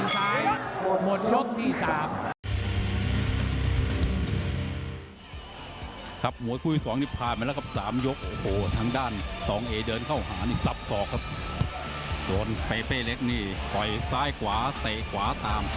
ครับโดนเปเป้เล็กนี่ต่อยซ้ายขวาเตะขวาตาม